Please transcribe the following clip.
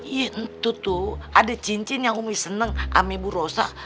itu tuh ada cincin yang umi seneng amibu rosa